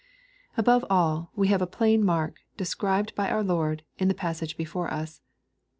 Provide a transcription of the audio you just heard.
Above all, we have a plain mark, described by our Lord, in the passage before us.